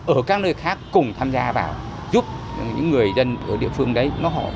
ở các nơi khác cùng tham gia vào giúp những người dân ở địa phương đấy